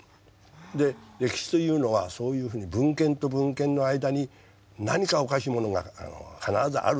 で歴史というのはそういうふうに文献と文献の間に何かおかしいものが必ずある。